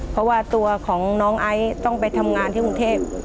เพราะว่าตัวของน้องไอซ์ต้องไปทำงานที่กรุงเทพ